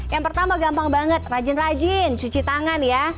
yang pertama gampang banget rajin rajin cuci tangan ya